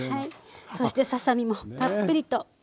そしてささ身もたっぷりと。